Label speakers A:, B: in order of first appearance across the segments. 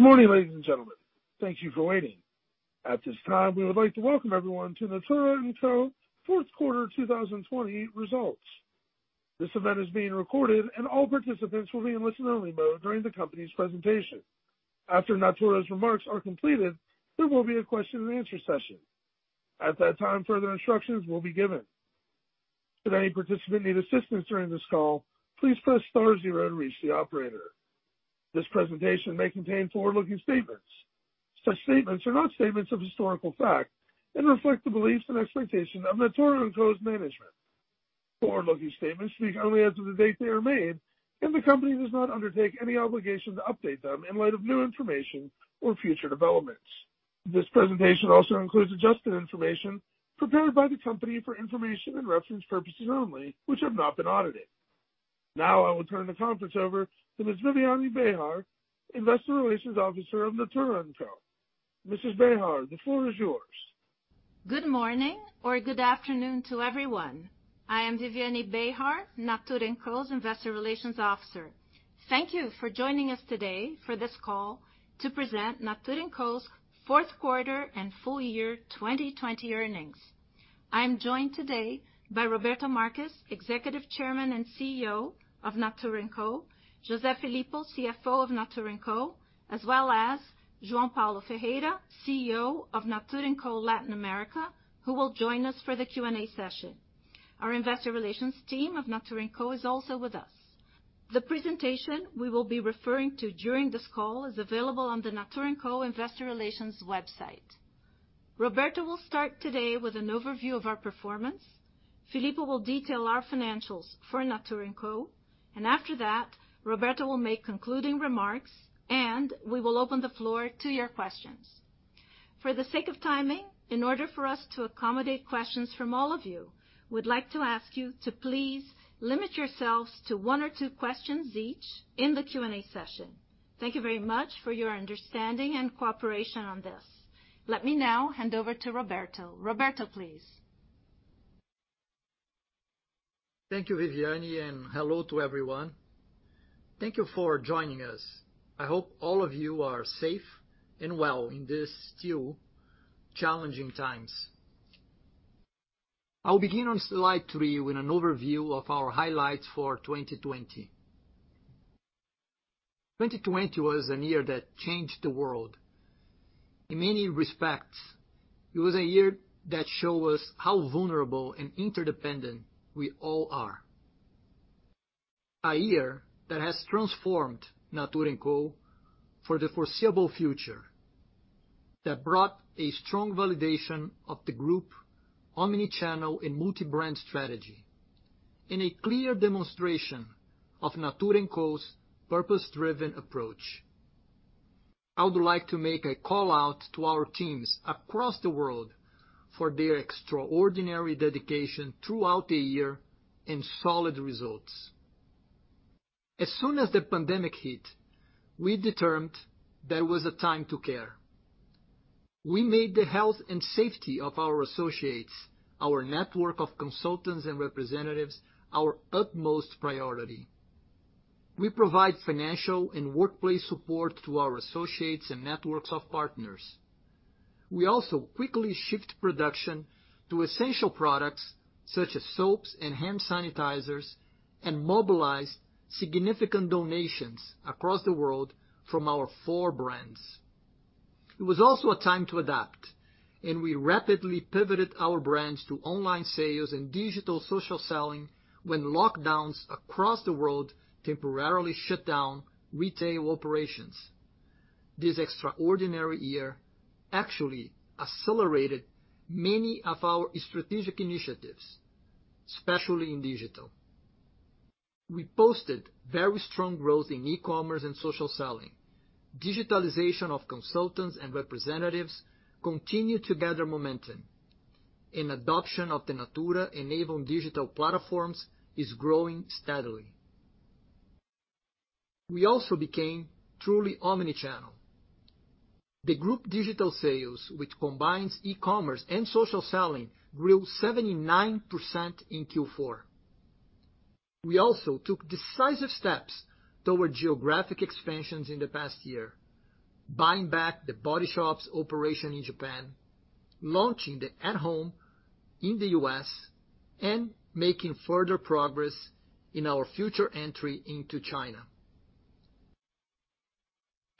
A: Morning, ladies and gentlemen. Thank you for waiting. This presentation may contain forward-looking statements. Such statements are not statements of historical fact and reflect the beliefs and expectations of Natura &Co's management. Forward-looking statements speak only as of the date they are made, and the company does not undertake any obligation to update them in light of new information or future developments. This presentation also includes adjusted information prepared by the company for information and reference purposes only, which have not been audited. Now, I will turn the conference over to Ms. Viviane Behar, investor relations officer of Natura &Co. Mrs. Behar, the floor is yours.
B: Good morning or good afternoon to everyone. I am Viviane Behar, Natura &Co's Investor Relations Officer. Thank you for joining us today for this call to present Natura &Co's fourth quarter and full year 2020 earnings. I'm joined today by Roberto Marques, Executive Chairman and CEO of Natura &Co, José Filippo, CFO of Natura &Co, as well as João Paulo Ferreira, CEO of Natura &Co Latin America, who will join us for the Q&A session. Our investor relations team of Natura &Co is also with us. The presentation we will be referring to during this call is available on the Natura &Co investor relations website. Roberto will start today with an overview of our performance. Filippo will detail our financials for Natura &Co, and after that, Roberto will make concluding remarks, and we will open the floor to your questions. For the sake of timing, in order for us to accommodate questions from all of you, we'd like to ask you to please limit yourselves to one or two questions each in the Q&A session. Thank you very much for your understanding and cooperation on this. Let me now hand over to Roberto. Roberto, please.
C: Thank you, Viviane, and hello to everyone. Thank you for joining us. I hope all of you are safe and well in these still challenging times. I'll begin on slide three with an overview of our highlights for 2020. 2020 was a year that changed the world. In many respects, it was a year that showed us how vulnerable and interdependent we all are. A year that has transformed Natura &Co for the foreseeable future, that brought a strong validation of the group omnichannel and multi-brand strategy, and a clear demonstration of Natura &Co's purpose-driven approach. I would like to make a call-out to our teams across the world for their extraordinary dedication throughout the year and solid results. As soon as the pandemic hit, we determined that it was a time to care. We made the health and safety of our associates, our network of consultants and representatives, our utmost priority. We provide financial and workplace support to our associates and networks of partners. We also quickly shift production to essential products, such as soaps and hand sanitizers, and mobilized significant donations across the world from our four brands. It was also a time to adapt, and we rapidly pivoted our brands to online sales and digital social selling when lockdowns across the world temporarily shut down retail operations. This extraordinary year actually accelerated many of our strategic initiatives, especially in digital. We posted very strong growth in e-commerce and social selling. Digitalization of consultants and representatives continued to gather momentum. Adoption of the Natura enabled digital platforms is growing steadily. We also became truly omnichannel. The group digital sales, which combines e-commerce and social selling, grew 79% in Q4. We also took decisive steps toward geographic expansions in the past year, buying back The Body Shop's operation in Japan, launching the At Home in the U.S., and making further progress in our future entry into China.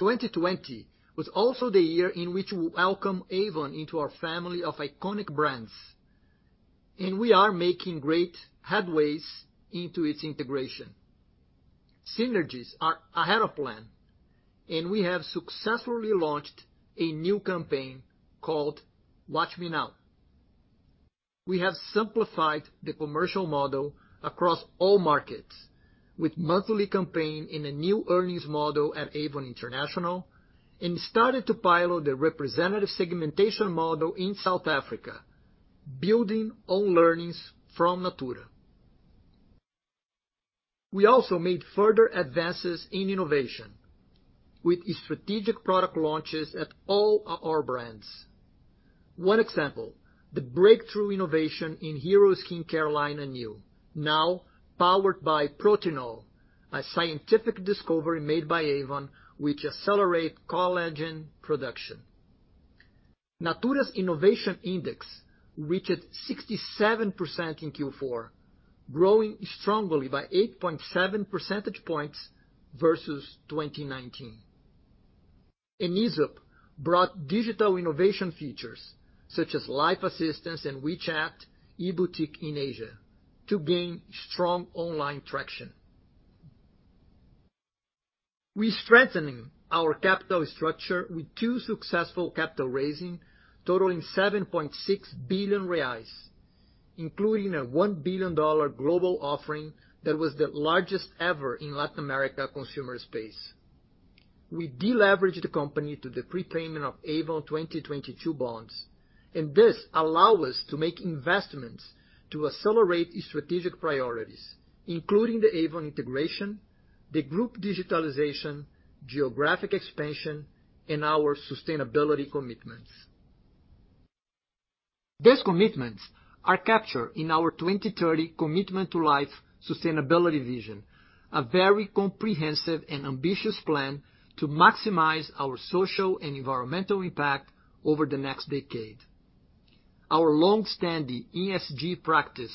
C: 2020 was also the year in which we welcome Avon into our family of iconic brands. We are making great headways into its integration. Synergies are ahead of plan. We have successfully launched a new campaign called Watch Me Now. We have simplified the commercial model across all markets with monthly campaign in a new earnings model at Avon International and started to pilot the representative segmentation model in South Africa, building on learnings from Natura. We also made further advances in innovation with strategic product launches at all our brands. One example, the breakthrough innovation in hero skincare line Anew, now powered by Protinol, a scientific discovery made by Avon which accelerate collagen production. Natura's innovation index reached 67% in Q4, growing strongly by 8.7 percentage points versus 2019. Aesop brought digital innovation features such as live assistance in WeChat, e-boutique in Asia to gain strong online traction. We strengthening our capital structure with two successful capital raising totaling 7.6 billion reais, including a $1 billion global offering that was the largest ever in Latin America consumer space. We de-leveraged the company to the prepayment of Avon 2022 bonds, and this allow us to make investments to accelerate strategic priorities, including the Avon integration, the group digitalization, geographic expansion, and our sustainability commitments. These commitments are captured in our 2030 Commitment to Life sustainability vision, a very comprehensive and ambitious plan to maximize our social and environmental impact over the next decade. Our longstanding ESG practice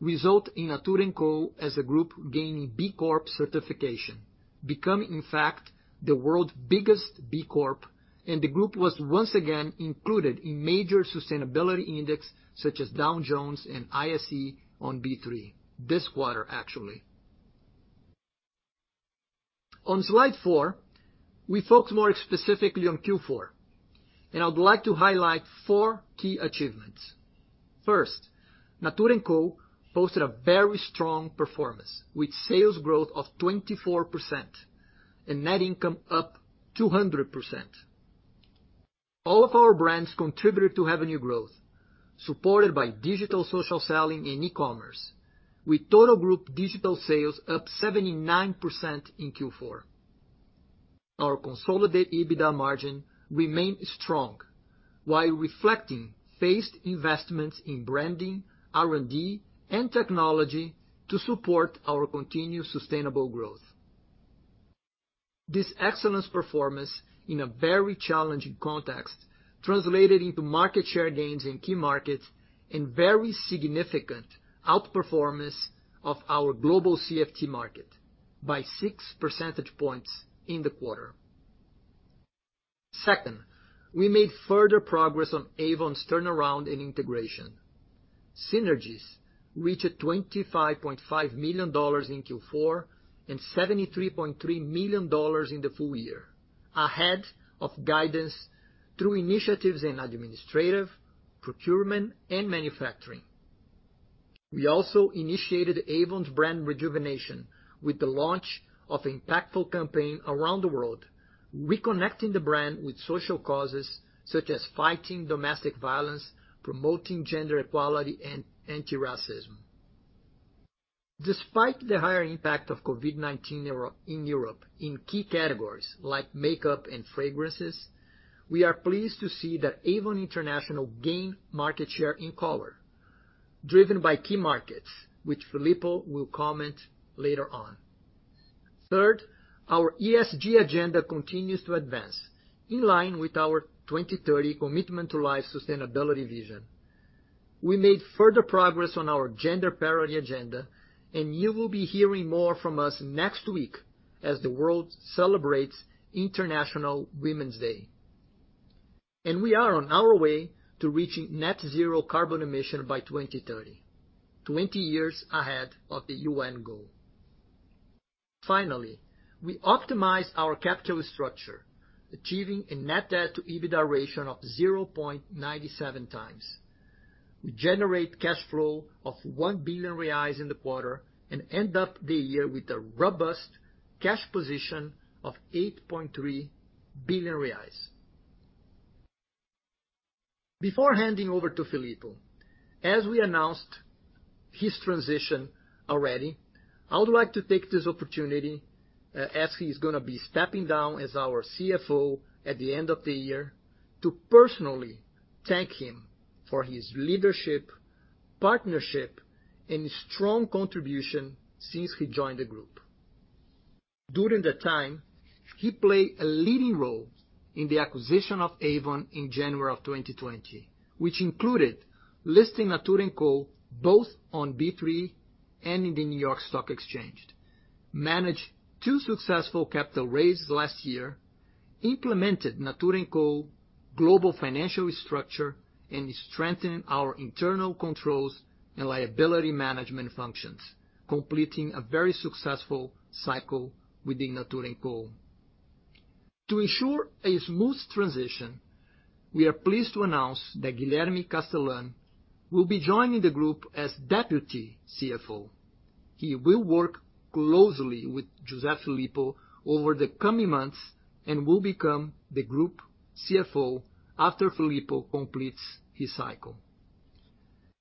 C: result in Natura &Co as a group gaining B Corp certification, becoming, in fact, the world's biggest B Corp, and the group was once again included in major sustainability index such as Dow Jones and ISE on B3, this quarter actually. On slide four, we focus more specifically on Q4, and I would like to highlight four key achievements. First, Natura &Co posted a very strong performance with sales growth of 24% and net income up 200%. All of our brands contributed to revenue growth, supported by digital social selling and e-commerce, with total group digital sales up 79% in Q4. Our consolidated EBITDA margin remained strong while reflecting phased investments in branding, R&D, and technology to support our continued sustainable growth. This excellent performance in a very challenging context translated into market share gains in key markets and very significant outperformance of our global CFT market by 6% points in the quarter. Second, we made further progress on Avon's turnaround and integration. Synergies reached BRL 25.5 million in Q4 and BRL 73.3 million in the full year, ahead of guidance through initiatives in administrative, procurement, and manufacturing. We also initiated Avon's brand rejuvenation with the launch of impactful campaign around the world, reconnecting the brand with social causes such as fighting domestic violence, promoting gender equality, and anti-racism. Despite the higher impact of COVID-19 in Europe in key categories like makeup and fragrances, we are pleased to see that Avon International gain market share in color, driven by key markets, which Filippo will comment later on. Third, our ESG agenda continues to advance, in line with our 2030 Commitment to Life sustainability vision. We made further progress on our gender parity agenda, you will be hearing more from us next week as the world celebrates International Women's Day. We are on our way to reaching net zero carbon emission by 2030, 20 years ahead of the U.N. goal. Finally, we optimize our capital structure, achieving a net debt to EBITDA ratio of 0.97 times. We generate cash flow of 1 billion reais in the quarter and end up the year with a robust cash position of BRL 8.3 billion. Before handing over to Filippo, as we announced his transition already, I would like to take this opportunity, as he's going to be stepping down as our CFO at the end of the year, to personally thank him for his leadership, partnership, and strong contribution since he joined the group. During that time, he played a leading role in the acquisition of Avon in January of 2020, which included listing Natura &Co both on B3 and in the New York Stock Exchange, managed two successful capital raises last year, implemented Natura &Co global financial structure, and strengthened our internal controls and liability management functions, completing a very successful cycle within Natura &Co. To ensure a smooth transition, we are pleased to announce that Guilherme Castellan will be joining the group as Deputy CFO. He will work closely with José Filippo over the coming months and will become the group CFO after Filippo completes his cycle.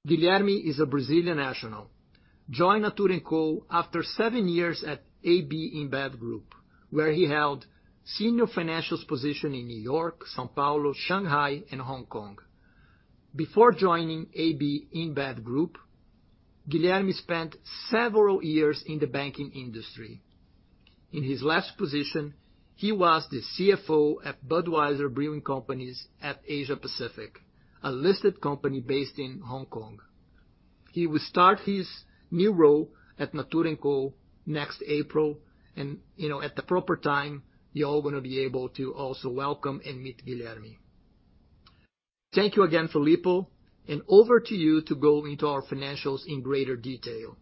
C: Guilherme is a Brazilian national. Joined Natura &Co after seven years at AB InBev group, where he held senior financials position in New York, São Paulo, Shanghai, and Hong Kong. Before joining AB InBev group, Guilherme spent several years in the banking industry. In his last position, he was the CFO at Budweiser Brewing Company APAC, a listed company based in Hong Kong. He will start his new role at Natura &Co next April. At the proper time, you're all going to be able to also welcome and meet Guilherme. Thank you again, Filippo. Over to you to go into our financials in greater detail.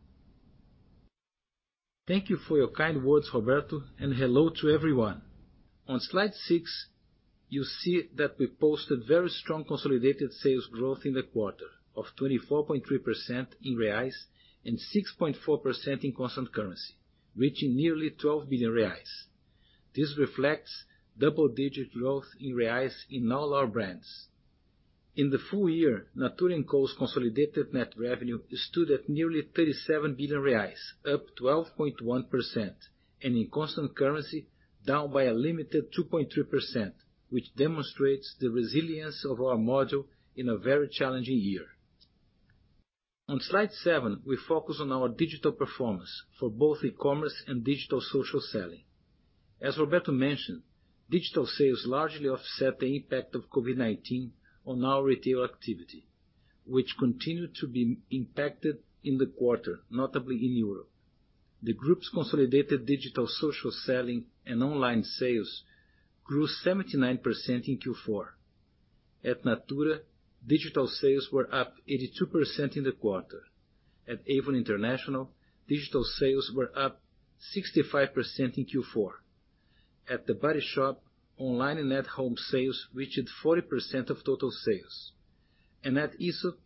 D: Thank you for your kind words, Roberto, and hello to everyone. On slide six, you see that we posted very strong consolidated sales growth in the quarter of 24.3% in BRL and 6.4% in constant currency, reaching nearly 12 billion reais. This reflects double-digit growth in BRL in all our brands. In the full year, Natura & Co's consolidated net revenue stood at nearly 37 billion reais, up 12.1%, and in constant currency, down by a limited 2.3%, which demonstrates the resilience of our model in a very challenging year. On slide seven, we focus on our digital performance for both e-commerce and digital social selling. As Roberto mentioned, digital sales largely offset the impact of COVID-19 on our retail activity, which continued to be impacted in the quarter, notably in Europe. The group's consolidated digital social selling and online sales grew 79% in Q4. At Natura, digital sales were up 82% in the quarter. At Avon International, digital sales were up 65% in Q4. At The Body Shop, online and at home sales reached 40% of total sales. At Aesop,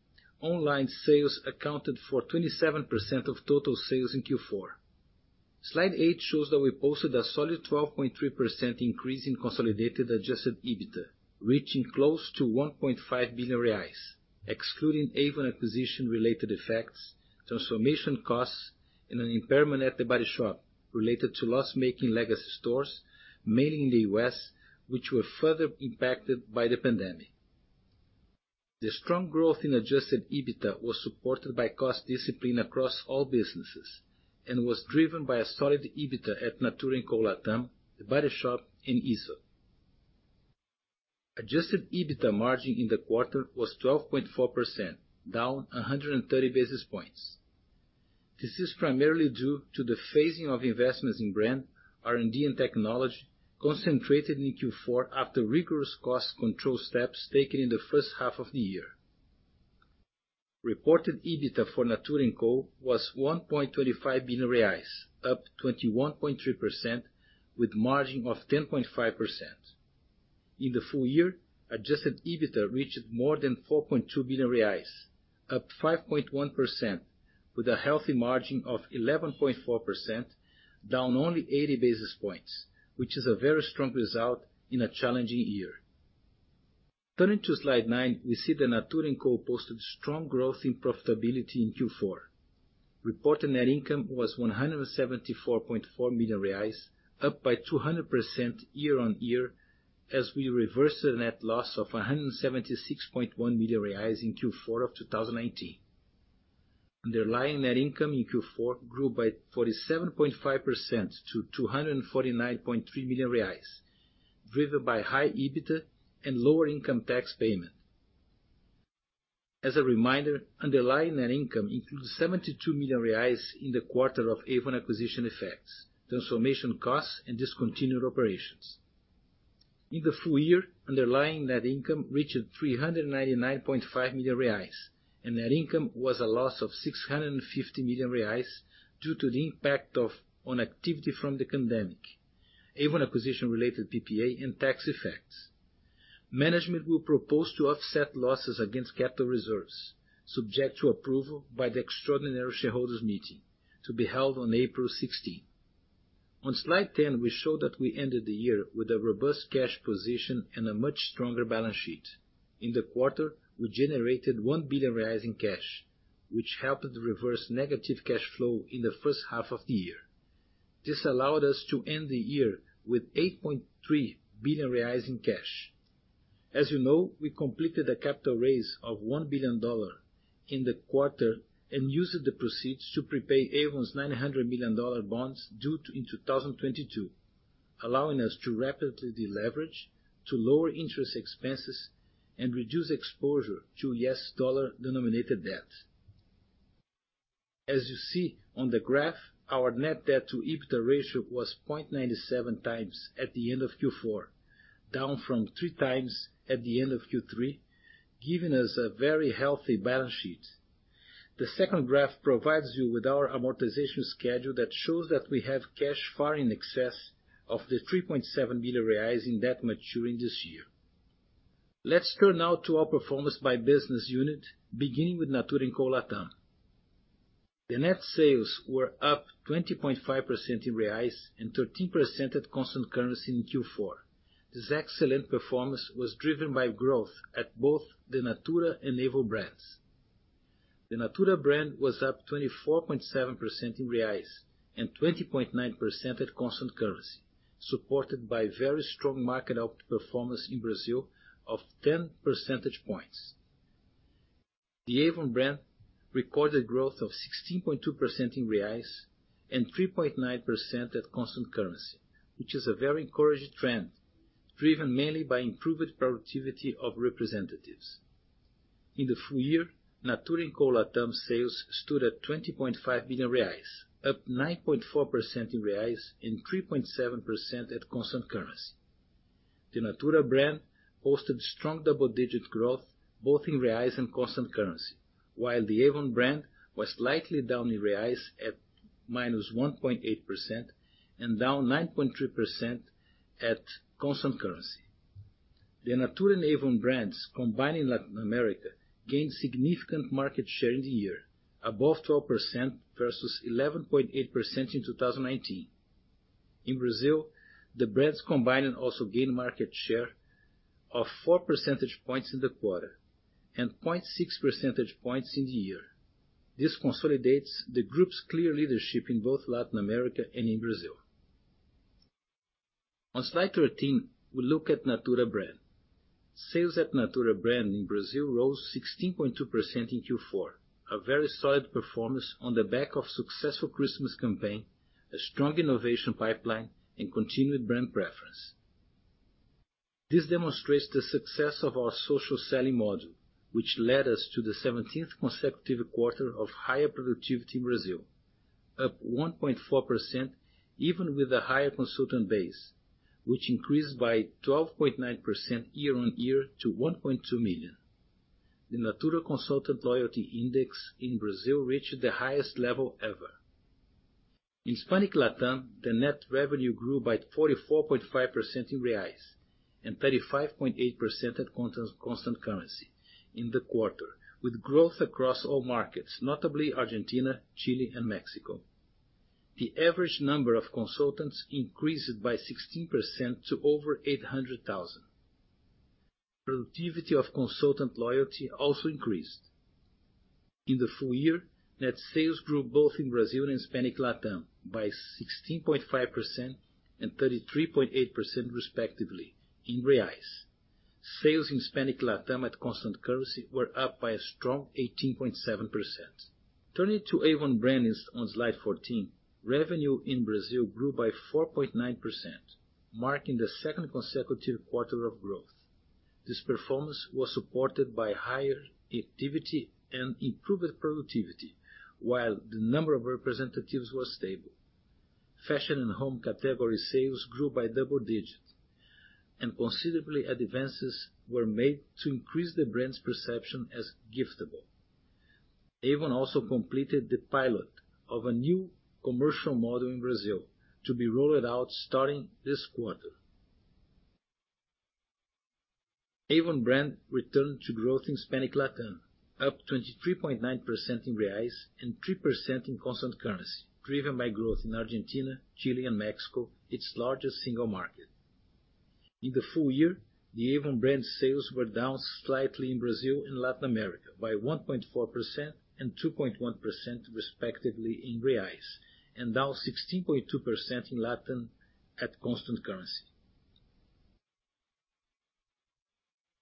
D: online sales accounted for 27% of total sales in Q4. Slide eight shows that we posted a solid 12.3% increase in consolidated adjusted EBITDA, reaching close to 1.5 billion reais, excluding Avon acquisition related effects, transformation costs, and an impairment at The Body Shop related to loss-making legacy stores, mainly in the U.S., which were further impacted by the pandemic. The strong growth in adjusted EBITDA was supported by cost discipline across all businesses and was driven by a solid EBITDA at Natura & Co. Latam, The Body Shop, and Aesop. Adjusted EBITDA margin in the quarter was 12.4%, down 130 basis points. This is primarily due to the phasing of investments in brand, R&D, and technology concentrated in Q4 after rigorous cost control steps taken in the first half of the year. Reported EBITDA for Natura & Co. was 1.25 billion reais, up 21.3%, with margin of 10.5%. In the full year, adjusted EBITDA reached more than 4.2 billion reais, up 5.1%, with a healthy margin of 11.4%, down only 80 basis points, which is a very strong result in a challenging year. Turning to slide nine, we see that Natura & Co. posted strong growth in profitability in Q4. Reported net income was 174.4 million reais, up by 200% year-on-year, as we reversed a net loss of 176.1 million reais in Q4 of 2019. Underlying net income in Q4 grew by 47.5% to 249.3 million reais, driven by high EBITDA and lower income tax payment. As a reminder, underlying net income includes 72 million reais in the quarter of Avon acquisition effects, transformation costs, and discontinued operations. In the full year, underlying net income reached 399.5 million reais, and net income was a loss of 650 million reais due to the impact on activity from the pandemic, Avon acquisition related PPA and tax effects. Management will propose to offset losses against capital reserves subject to approval by the extraordinary shareholders' meeting to be held on April 16th. On slide 10, we show that we ended the year with a robust cash position and a much stronger balance sheet. In the quarter, we generated 1 billion reais in cash, which helped reverse negative cash flow in the first half of the year. This allowed us to end the year with 8.3 billion reais in cash. As you know, we completed a capital raise of $1 billion in the quarter and used the proceeds to prepay Avon's $900 million bonds due in 2022, allowing us to rapidly deleverage to lower interest expenses and reduce exposure to U.S. dollar-denominated debt. As you see on the graph, our net debt to EBITDA ratio was 0.97 times at the end of Q4, down from three times at the end of Q3, giving us a very healthy balance sheet. The second graph provides you with our amortization schedule that shows that we have cash far in excess of the 3.7 billion reais in debt maturing this year. Let's turn now to our performance by business unit, beginning with Natura & Co. Latam. The net sales were up 20.5% in BRL and 13% at constant currency in Q4. This excellent performance was driven by growth at both the Natura and Avon brands. The Natura brand was up 24.7% in BRL and 20.9% at constant currency, supported by very strong market outperformance in Brazil of 10 percentage points. The Avon brand recorded growth of 16.2% in BRL and 3.9% at constant currency, which is a very encouraging trend, driven mainly by improved productivity of representatives. In the full year, Natura & Co Latam sales stood at 20.5 billion reais, up 9.4% in BRL and 3.7% at constant currency. The Natura brand posted strong double-digit growth both in BRL and constant currency, while the Avon brand was slightly down in BRL at -1.8% and down 9.3% at constant currency. The Natura and Avon brands combined in Latin America gained significant market share in the year, above 12% versus 11.8% in 2019. In Brazil, the brands combined also gained market share of four percentage points in the quarter and 0.6 percentage points in the year. This consolidates the group's clear leadership in both Latin America and in Brazil. On slide 13, we look at Natura brand. Sales at Natura brand in Brazil rose 16.2% in Q4, a very solid performance on the back of successful Christmas campaign, a strong innovation pipeline, and continued brand preference. This demonstrates the success of our social selling model, which led us to the 17th consecutive quarter of higher productivity in Brazil, up 1.4%, even with a higher consultant base, which increased by 12.9% year-over-year to 1.2 million. The Natura consultant loyalty index in Brazil reached the highest level ever. In Hispanic Latam, the net revenue grew by 44.5% in BRL and 35.8% at constant currency in the quarter, with growth across all markets, notably Argentina, Chile, and Mexico. The average number of consultants increased by 16% to over 800,000. Productivity of consultant loyalty also increased. In the full year, net sales grew both in Brazil and Hispanic Latam by 16.5% and 33.8%, respectively, in BRL. Sales in Hispanic Latam at constant currency were up by a strong 18.7%. Turning to Avon brand on slide 14, revenue in Brazil grew by 4.9%, marking the second consecutive quarter of growth. This performance was supported by higher activity and improved productivity, while the number of representatives was stable. Fashion and home category sales grew by double digits, and considerable advances were made to increase the brand's perception as giftable. Avon also completed the pilot of a new commercial model in Brazil to be rolled out starting this quarter. Avon brand returned to growth in Hispanic Latam, up 23.9% in BRL and 3% in constant currency, driven by growth in Argentina, Chile, and Mexico, its largest single market. In the full year, the Avon brand sales were down slightly in Brazil and Latin America by 1.4% and 2.1% respectively in BRL and down 16.2% in Latam at constant currency.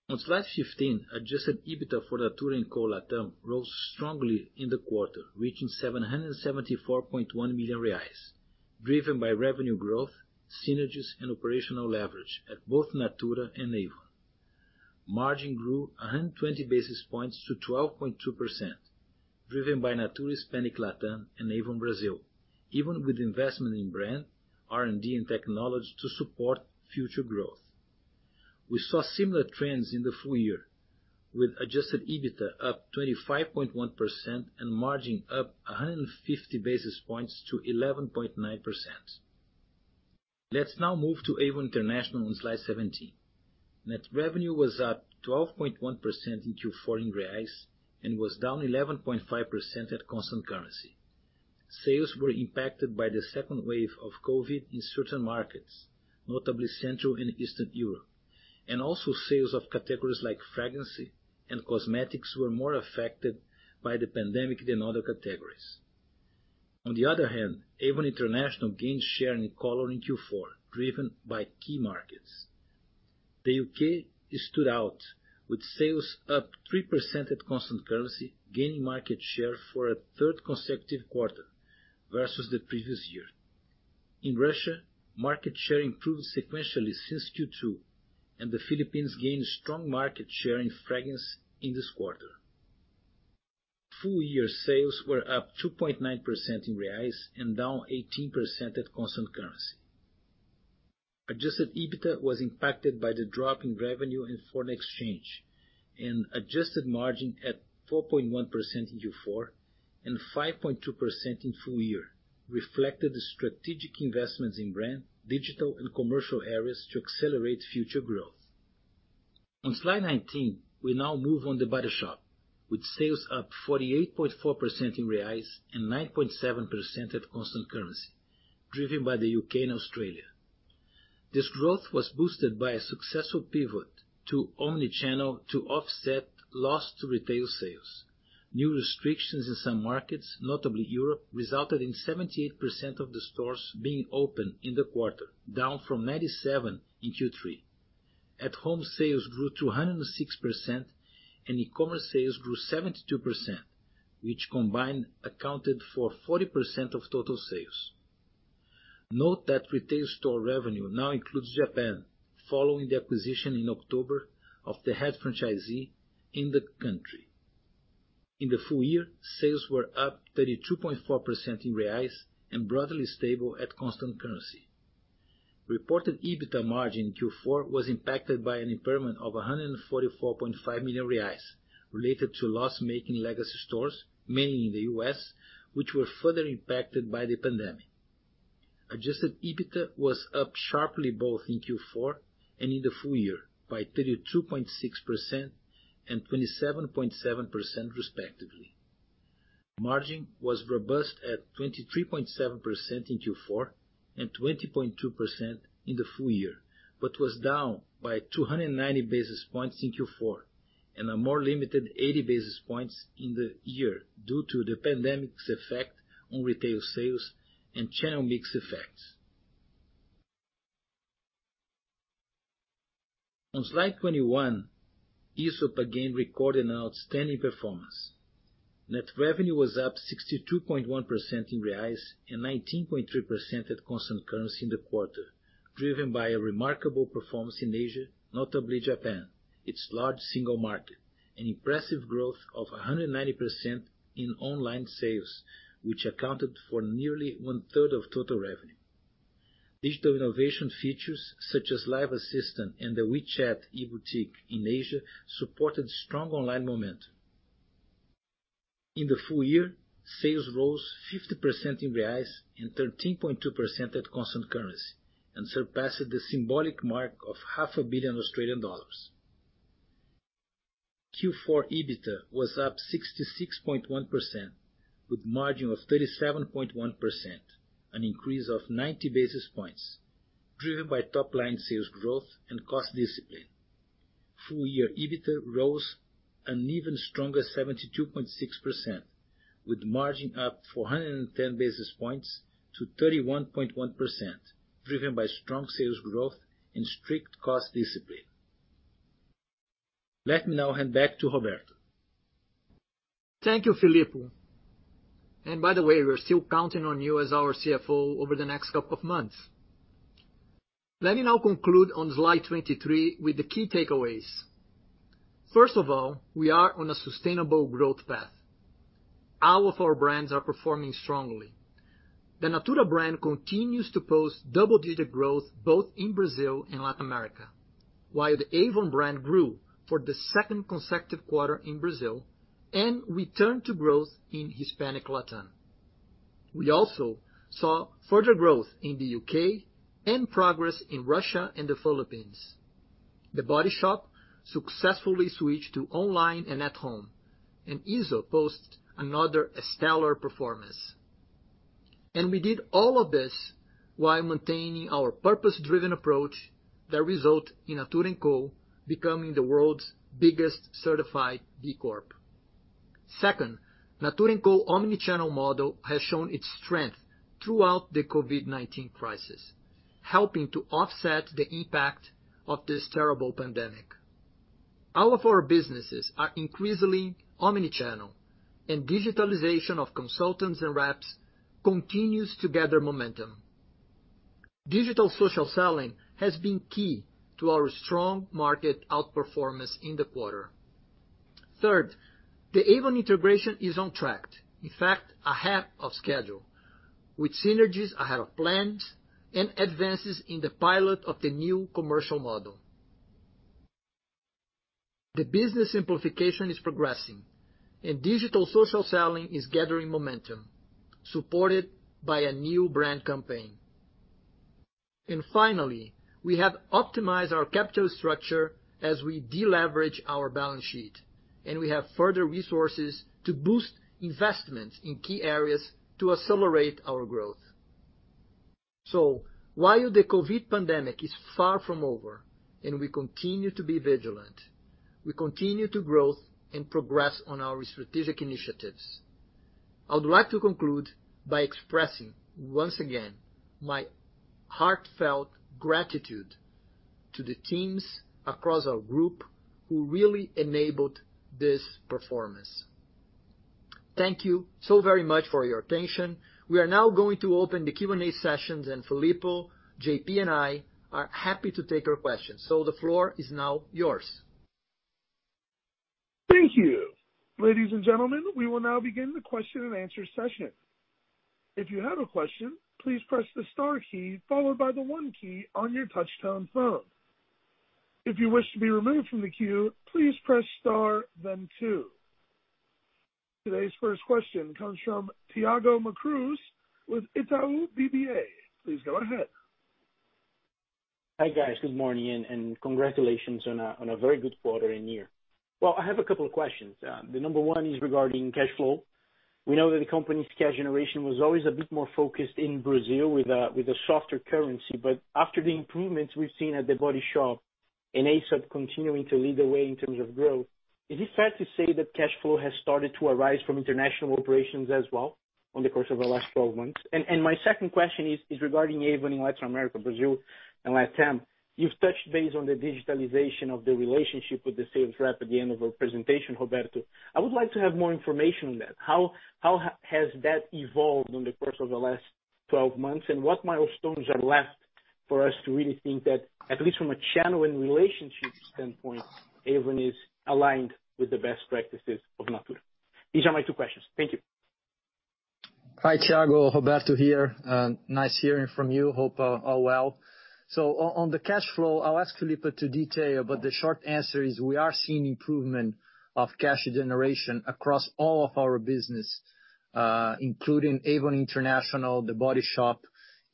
D: On slide 15, adjusted EBITDA for Natura &Co Latam rose strongly in the quarter, reaching 774.1 million reais, driven by revenue growth, synergies, and operational leverage at both Natura and Avon. Margin grew 120 basis points to 12.2%, driven by Natura Hispanic Latam and Avon Brazil, even with investment in brand, R&D, and technology to support future growth. We saw similar trends in the full year, with adjusted EBITDA up 25.1% and margin up 150 basis points to 11.9%. Let's now move to Avon International on slide 17. Net revenue was up 12.1% in Q4 in BRL and was down 11.5% at constant currency. Sales were impacted by the second wave of COVID in certain markets, notably Central and Eastern Europe, and also sales of categories like fragrance and cosmetics were more affected by the pandemic than other categories. On the other hand, Avon International gained share in e-color in Q4, driven by key markets. The U.K. stood out with sales up 3% at constant currency, gaining market share for a third consecutive quarter versus the previous year. In Russia, market share improved sequentially since Q2, and the Philippines gained strong market share in fragrance in this quarter. Full-year sales were up 2.9% in BRL and down 18% at constant currency. Adjusted EBITDA was impacted by the drop in revenue and foreign exchange and adjusted margin at 4.1% in Q4 and 5.2% in full year, reflected the strategic investments in brand, digital, and commercial areas to accelerate future growth. On slide 19, we now move on to The Body Shop, with sales up 48.4% in BRL and 9.7% at constant currency, driven by the U.K. and Australia. This growth was boosted by a successful pivot to omnichannel to offset loss to retail sales. New restrictions in some markets, notably Europe, resulted in 78% of the stores being open in the quarter, down from 97% in Q3. At Home sales grew 206% and e-commerce sales grew 72%, which combined accounted for 40% of total sales. Note that retail store revenue now includes Japan, following the acquisition in October of the head franchisee in the country. In the full year, sales were up 32.4% in BRL and broadly stable at constant currency. Reported EBITDA margin in Q4 was impacted by an impairment of 144.5 million reais related to loss-making legacy stores, mainly in the U.S., which were further impacted by the pandemic. Adjusted EBITDA was up sharply both in Q4 and in the full year, by 32.6% and 27.7% respectively. Margin was robust at 23.7% in Q4 and 20.2% in the full year, but was down by 290 basis points in Q4 and a more limited 80 basis points in the year due to the pandemic's effect on retail sales and channel mix effects. On slide 21, Aesop again recorded an outstanding performance. Net revenue was up 62.1% in BRL and 19.3% at constant currency in the quarter, driven by a remarkable performance in Asia, notably Japan, its largest single market, an impressive growth of 190% in online sales, which accounted for nearly one-third of total revenue. Digital innovation features, such as live assistant and the WeChat e-boutique in Asia, supported strong online momentum. In the full year, sales rose 50% in BRL and 13.2% at constant currency and surpassed the symbolic mark of half a billion Australian dollars. Q4 EBITDA was up 66.1% with margin of 37.1%, an increase of 90 basis points, driven by top-line sales growth and cost discipline. Full year EBITDA rose an even stronger 72.6%, with margin up 410 basis points to 31.1%, driven by strong sales growth and strict cost discipline. Let me now hand back to Roberto.
C: Thank you, Filippo. By the way, we're still counting on you as our CFO over the next couple of months. Let me now conclude on slide 23 with the key takeaways. First of all, we are on a sustainable growth path. All of our brands are performing strongly. The Natura brand continues to post double-digit growth both in Brazil and Latin America. While the Avon brand grew for the second consecutive quarter in Brazil and returned to growth in Hispanic LatAm. We also saw further growth in the U.K. and progress in Russia and the Philippines. The Body Shop successfully switched to online and at home. Aesop posts another stellar performance. We did all of this while maintaining our purpose-driven approach that result in Natura & Co. becoming the world's biggest certified B Corp. Second, Natura &Co's omnichannel model has shown its strength throughout the COVID-19 crisis, helping to offset the impact of this terrible pandemic. All of our businesses are increasingly omnichannel, and digitalization of consultants and reps continues to gather momentum. Digital social selling has been key to our strong market outperformance in the quarter. Third, the Avon integration is on track, in fact, ahead of schedule, with synergies ahead of plans and advances in the pilot of the new commercial model. The business simplification is progressing and digital social selling is gathering momentum, supported by a new brand campaign. Finally, we have optimized our capital structure as we de-leverage our balance sheet, and we have further resources to boost investments in key areas to accelerate our growth. While the COVID pandemic is far from over and we continue to be vigilant, we continue to grow and progress on our strategic initiatives. I would like to conclude by expressing, once again, my heartfelt gratitude to the teams across our group who really enabled this performance. Thank you so very much for your attention. We are now going to open the Q&A sessions, and Filippo, J.P., and I are happy to take your questions. The floor is now yours.
A: Thank you. Ladies and gentlemen, we will now begin the question and answer session. Today's first question comes from Thiago Macruz with Itaú BBA. Please go ahead.
E: Hi, guys. Good morning, and congratulations on a very good quarter and year. I have a couple of questions. The number one is regarding cash flow. We know that the company's cash generation was always a bit more focused in Brazil with a softer currency, but after the improvements we've seen at The Body Shop and Aesop continuing to lead the way in terms of growth, is it fair to say that cash flow has started to arise from international operations as well over the course of the last 12 months? My second question is regarding Avon in Latin America, Brazil, and LatAm. You've touched base on the digitalization of the relationship with the sales rep at the end of your presentation, Roberto. I would like to have more information on that. How has that evolved over the course of the last 12 months, and what milestones are left for us to really think that, at least from a channel and relationship standpoint, Avon is aligned with the best practices of Natura? These are my two questions. Thank you.
C: Hi, Thiago. Roberto here. Nice hearing from you. Hope all well. On the cash flow, I'll ask Fillipo to detail, but the short answer is we are seeing improvement of cash generation across all of our business, including Avon International, The Body Shop,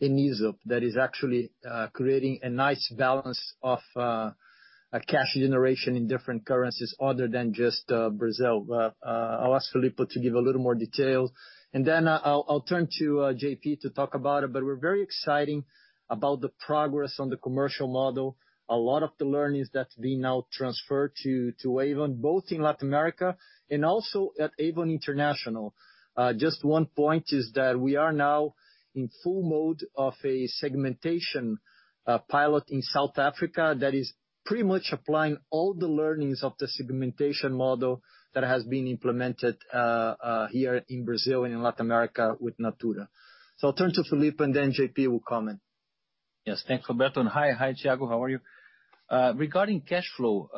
C: and Aesop. That is actually creating a nice balance of cash generation in different currencies other than just Brazil. I'll ask Filippo to give a little more detail, and then I'll turn to J.P. to talk about it, but we're very excited about the progress on the commercial model. A lot of the learnings that are being now transferred to Avon, both in Latin America and also at Avon International. Just one point is that we are now in full mode of a segmentation pilot in South Africa that is pretty much applying all the learnings of the segmentation model that has been implemented here in Brazil and in Latin America with Natura. I'll turn to Filippo, and then J.P. will comment.
D: Yes. Thanks, Roberto, and hi, Thiago. How are you? Regarding cash flow,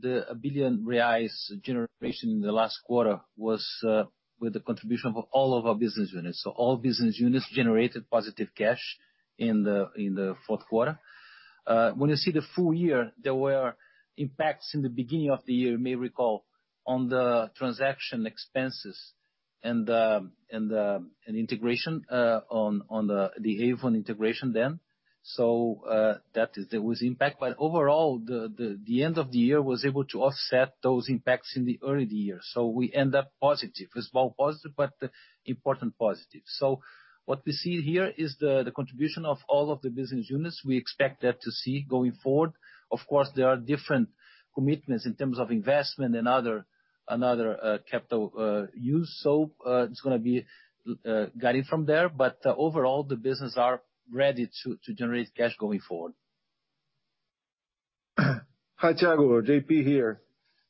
D: the 1 billion reais generation in the last quarter was with the contribution of all of our business units. All business units generated positive cash in the fourth quarter. When you see the full year, there were impacts in the beginning of the year, you may recall, on the transaction expenses and integration on the Avon integration then. There was impact, but overall, the end of the year was able to offset those impacts in the early year. We end up positive. It's small positive, but important positive. What we see here is the contribution of all of the business units. We expect that to see going forward. Of course, there are different commitments in terms of investment and other capital use. It's going to be guided from there, but overall, the business are ready to generate cash going forward.
F: Hi, Thiago. J.P. here.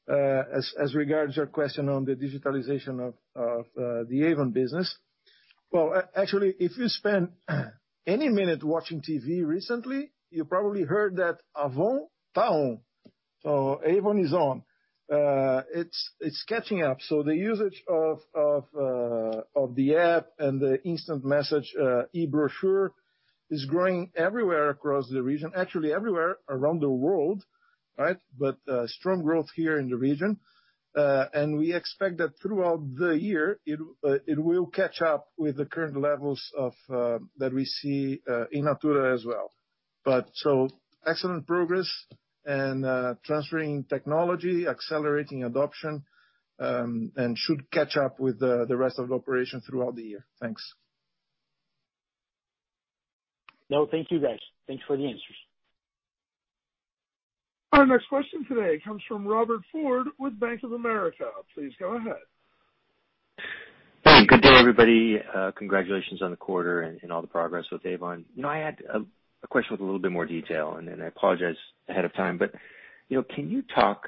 F: As regards your question on the digitalization of the Avon business, well, actually, if you spent any minute watching TV recently, you probably heard that Avon tá On, so Avon is on. It's catching up. The usage of the app and the instant message e-brochure is growing everywhere across the region, actually everywhere around the world, right? Strong growth here in the region. We expect that throughout the year, it will catch up with the current levels that we see in Natura as well. Excellent progress and transferring technology, accelerating adoption, and should catch up with the rest of the operation throughout the year. Thanks.
E: No, thank you, guys. Thank you for the answers.
A: Our next question today comes from Robert Ford with Bank of America. Please go ahead.
G: Hi. Good day, everybody. Congratulations on the quarter and all the progress with Avon. I had a question with a little bit more detail. I apologize ahead of time, can you talk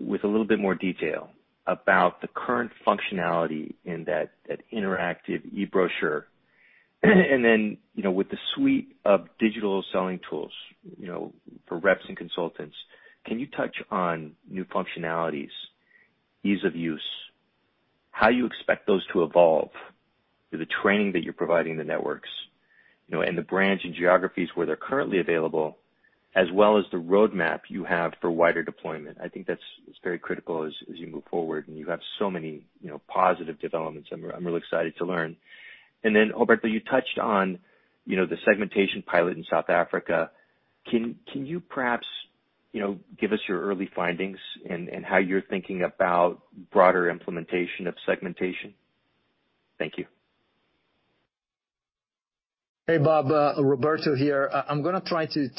G: with a little bit more detail about the current functionality in that interactive e-brochure? With the suite of digital selling tools for reps and consultants, can you touch on new functionalities, ease of use, how you expect those to evolve through the training that you're providing the networks, and the branch and geographies where they're currently available, as well as the roadmap you have for wider deployment? I think that's very critical as you move forward. You have so many positive developments. I'm really excited to learn. Roberto, you touched on the segmentation pilot in South Africa. Can you perhaps give us your early findings and how you're thinking about broader implementation of segmentation? Thank you.
C: Hey, Bob. Roberto here. One thing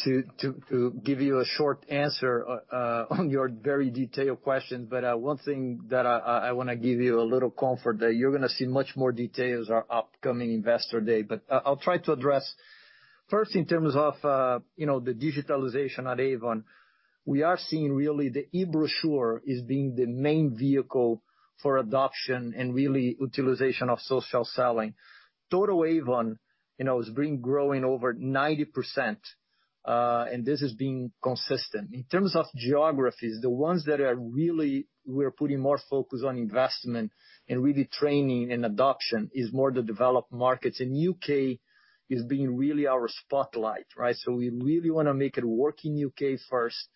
C: that I want to give you a little comfort that you're going to see much more details our upcoming Investor Day. I'll try to address first in terms of the digitalization at Avon, we are seeing really the e-brochure as being the main vehicle for adoption and really utilization of social selling. Total Avon has been growing over 90%, and this has been consistent. In terms of geographies, the ones that we're putting more focus on investment and really training and adoption is more the developed markets, and U.K. is being really our spotlight, right? We really want to make it work in U.K. first.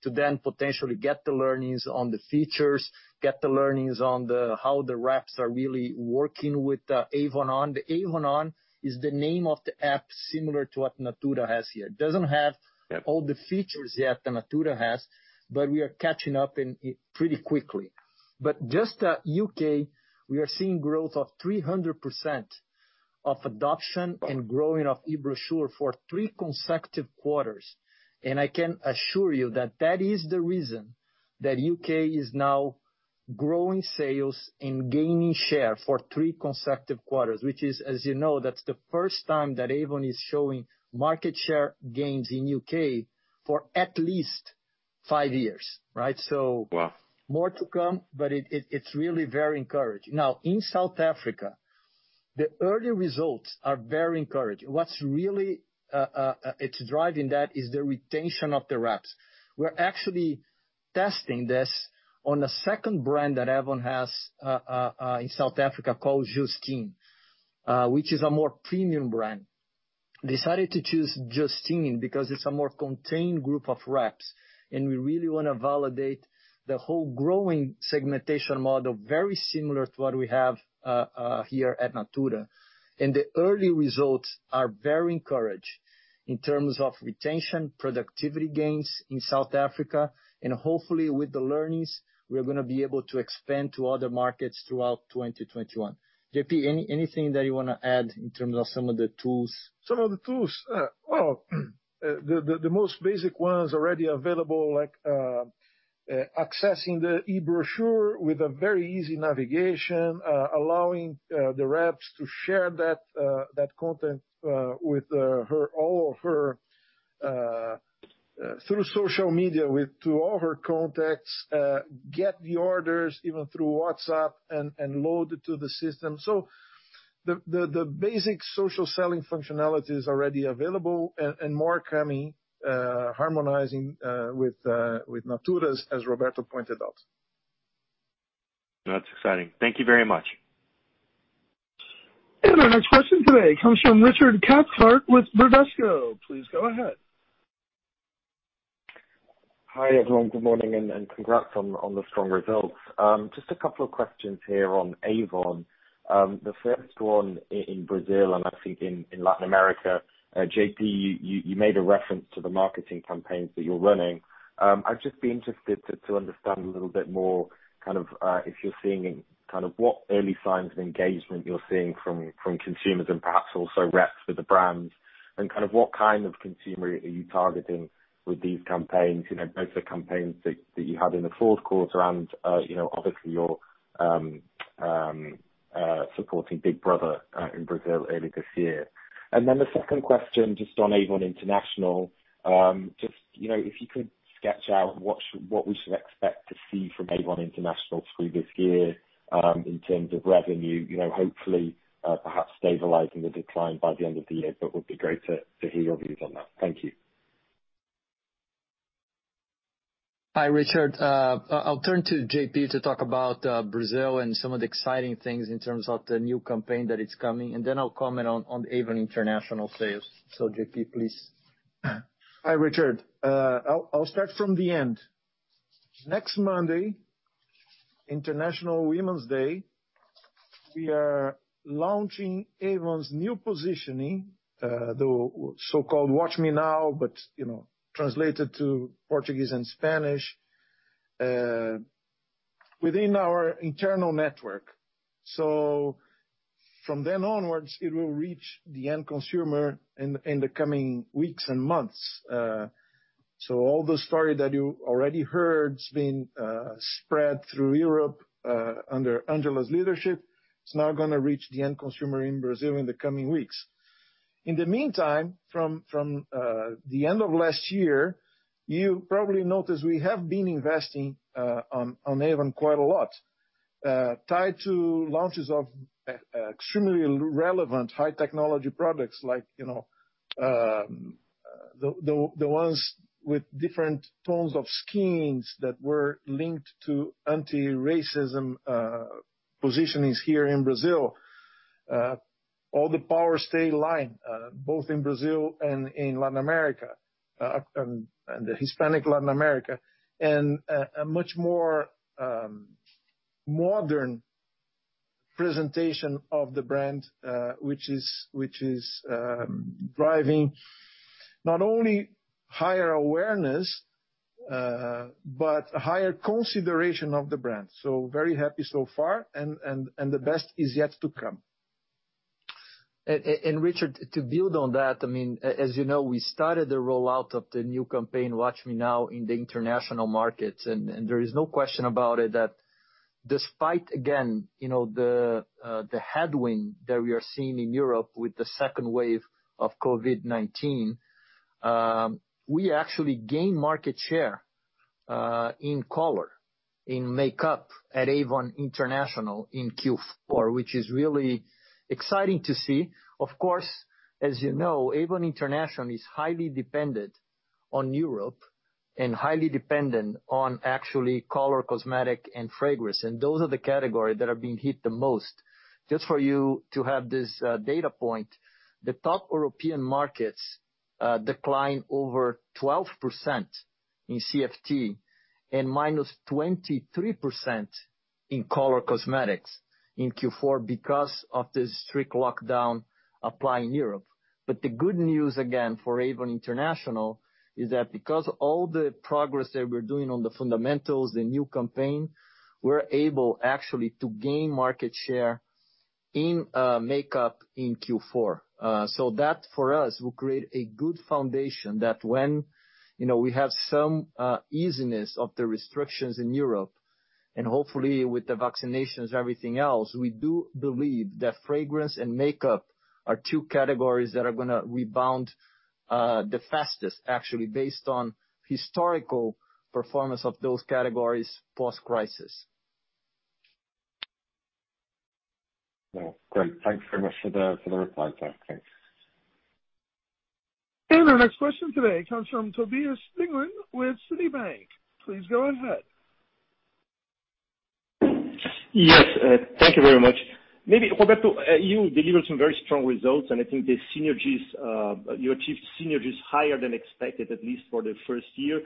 C: Potentially get the learnings on the features, get the learnings on how the reps are really working with the Avon ON. The Avon ON is the name of the app similar to what Natura has here.
G: Yep
C: all the features yet that Natura has. We are catching up pretty quickly. Just the U.K., we are seeing growth of 300% of adoption and growing of e-brochure for three consecutive quarters. I can assure you that that is the reason that U.K. is now growing sales and gaining share for three consecutive quarters, which is, as you know, that's the first time that Avon is showing market share gains in U.K. for at least five years. Right.
G: Wow.
C: More to come, but it's really very encouraging. Now in South Africa, the early results are very encouraging. It's driving that is the retention of the reps. We're actually testing this on a second brand that Avon has in South Africa called Justine, which is a more premium brand. Decided to choose Justine because it's a more contained group of reps, and we really want to validate the whole growing segmentation model, very similar to what we have here at Natura. The early results are very encouraged in terms of retention, productivity gains in South Africa, and hopefully with the learnings, we are going to be able to expand to other markets throughout 2021. J.P., anything that you want to add in terms of some of the tools?
F: Some of the tools, well, the most basic ones already available, like accessing the e-brochure with a very easy navigation, allowing the reps to share that content through social media to all her contacts, get the orders even through WhatsApp and load it to the system. The basic social selling functionality is already available and more coming, harmonizing with Natura's, as Roberto pointed out.
G: That's exciting. Thank you very much.
A: Our next question today comes from Richard Cathcart with Bradesco. Please go ahead.
H: Hi, everyone. Good morning, and congrats on the strong results. Just a couple of questions here on Avon. The first one in Brazil and I think in Latin America, J.P., you made a reference to the marketing campaigns that you're running. I'd just be interested to understand a little bit more kind of if you're seeing kind of what early signs of engagement you're seeing from consumers and perhaps also reps with the brands, and kind of what kind of consumer are you targeting with these campaigns, both the campaigns that you had in the fourth quarter and obviously your supporting "Big Brother" in Brazil early this year. The second question, just on Avon International, if you could sketch out what we should expect to see from Avon International through this year, in terms of revenue, hopefully, perhaps stabilizing the decline by the end of the year, would be great to hear your views on that. Thank you.
C: Hi, Richard. I'll turn to J.P. to talk about Brazil and some of the exciting things in terms of the new campaign that it's coming, and then I'll comment on Avon International sales. J.P., please.
F: Hi, Richard. I'll start from the end. Next Monday, International Women's Day, we are launching Avon's new positioning, the so-called Watch Me Now, but translated to Portuguese and Spanish, within our internal network. From then onwards, it will reach the end consumer in the coming weeks and months. All the story that you already heard been spread through Europe, under Angela's leadership, is now going to reach the end consumer in Brazil in the coming weeks. In the meantime, from the end of last year, you probably noticed we have been investing on Avon quite a lot, tied to launches of extremely relevant high technology products like the ones with different tones of skins that were linked to anti-racism positionings here in Brazil. All the Power Stay line, both in Brazil and in Latin America, and the Hispanic Latin America, and a much more modern presentation of the brand, which is driving not only higher awareness, but a higher consideration of the brand. Very happy so far, and the best is yet to come.
C: Richard, to build on that, as you know, we started the rollout of the new campaign, Watch Me Now, in the international markets, and there is no question about it that despite, again, the headwind that we are seeing in Europe with the second wave of COVID-19, we actually gain market share, in color, in makeup at Avon International in Q4, which is really exciting to see. Of course, as you know, Avon International is highly dependent on Europe and highly dependent on actually color cosmetics and fragrance. Those are the category that are being hit the most. Just for you to have this data point, the top European markets declined over 12% in CFT, and -23% in color cosmetics in Q4 because of the strict lockdown applied in Europe. The good news again for Avon International is that because all the progress that we're doing on the fundamentals, the new campaign, we're able actually to gain market share in makeup in Q4. That for us will create a good foundation that when we have some easiness of the restrictions in Europe, and hopefully with the vaccinations, everything else, we do believe that fragrance and makeup are two categories that are going to rebound the fastest, actually, based on historical performance of those categories post-crisis.
H: Well, great. Thanks very much for the reply. Thanks.
A: Our next question today comes from Tobias Stingelin with Citi. Please go ahead.
I: Yes. Thank you very much. Maybe, Roberto, you delivered some very strong results. I think you achieved synergies higher than expected, at least for the first year.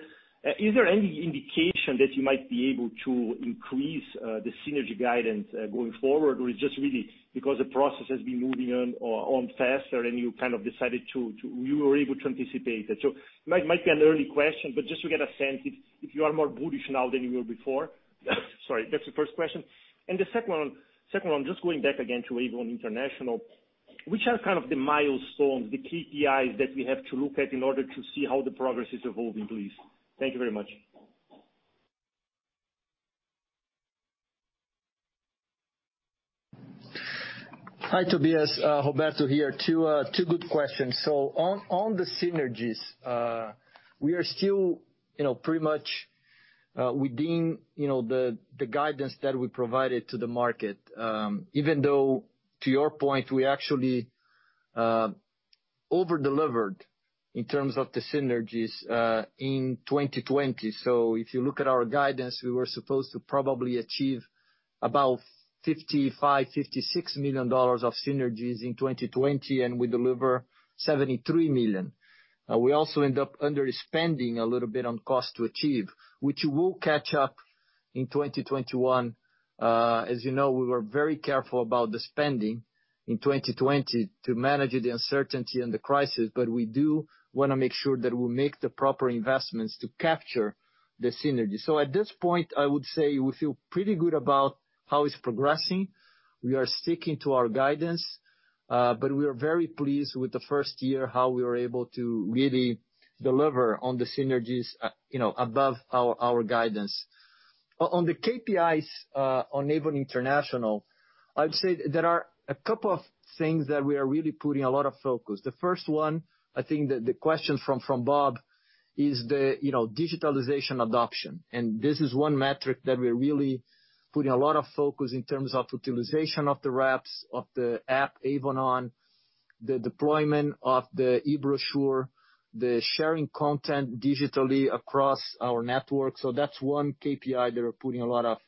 I: Is there any indication that you might be able to increase the synergy guidance going forward? It's just really because the process has been moving on faster and you were able to anticipate that. It might be an early question, but just to get a sense if you are more bullish now than you were before. Sorry, that's the first question. The second one, just going back again to Avon International, which are kind of the milestones, the KPIs that we have to look at in order to see how the progress is evolving, please? Thank you very much.
C: Hi, Tobias. Roberto here. Two good questions. On the synergies, we are still pretty much within the guidance that we provided to the market, even though, to your point, we actually over-delivered in terms of the synergies in 2020. If you look at our guidance, we were supposed to probably achieve about 55 million, BRL 56 million of synergies in 2020, and we deliver 73 million. We also end up under-spending a little bit on cost to achieve, which will catch up in 2021. As you know, we were very careful about the spending in 2020 to manage the uncertainty and the crisis, but we do want to make sure that we make the proper investments to capture the synergy. At this point, I would say we feel pretty good about how it's progressing. We are sticking to our guidance, but we are very pleased with the first year, how we were able to really deliver on the synergies above our guidance. On the KPIs on Avon International, I'd say there are a couple of things that we are really putting a lot of focus. The first one, I think that the question from Bob is the digitalization adoption, and this is one metric that we're really putting a lot of focus in terms of utilization of the reps, of the app, Avon ON, the deployment of the e-brochure, the sharing content digitally across our network. That's one KPI that we're putting a lot of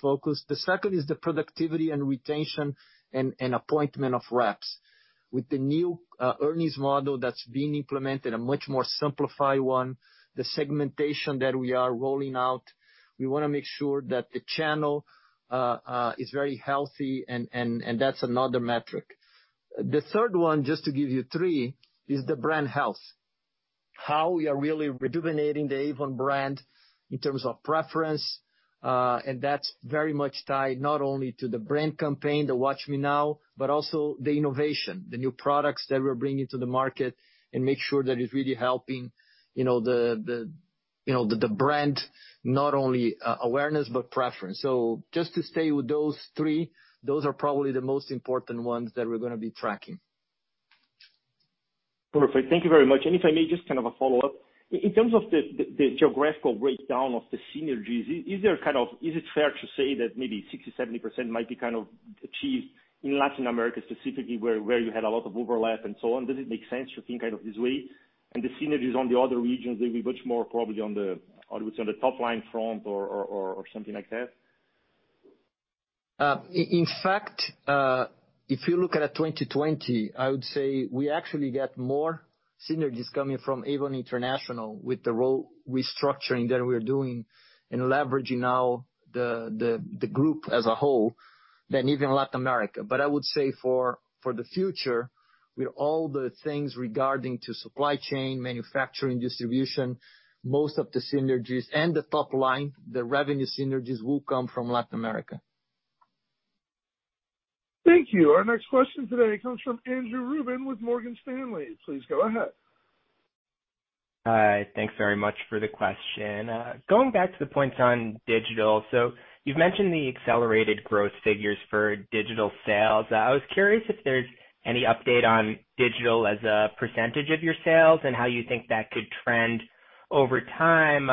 C: focus. The second is the productivity and retention and appointment of reps. With the new earnings model that's being implemented, a much more simplified one, the segmentation that we are rolling out, we want to make sure that the channel is very healthy, and that's another metric. The third one, just to give you three, is the brand health. How we are really rejuvenating the Avon brand in terms of preference. That's very much tied not only to the brand campaign, the Watch Me Now, but also the innovation, the new products that we're bringing to the market and make sure that it's really helping the brand, not only awareness, but preference. Just to stay with those three, those are probably the most important ones that we're going to be tracking.
I: Perfect. Thank you very much. If I may, just kind of a follow-up. In terms of the geographical breakdown of the synergies, is it fair to say that maybe 60%-70% might be kind of achieved in Latin America specifically, where you had a lot of overlap and so on? Does it make sense to think kind of this way? The synergies on the other regions will be much more probably on the top line front or something like that?
C: In fact, if you look at 2020, I would say we actually get more synergies coming from Avon International with the role restructuring that we're doing and leveraging now the group as a whole, than even Latin America. I would say for the future, with all the things regarding to supply chain, manufacturing, distribution, most of the synergies and the top line, the revenue synergies will come from Latin America.
A: Thank you. Our next question today comes from Andrew Ruben with Morgan Stanley. Please go ahead.
J: Hi. Thanks very much for the question. Going back to the point on digital. You've mentioned the accelerated growth figures for digital sales. I was curious if there's any update on digital as a percentage of your sales and how you think that could trend over time.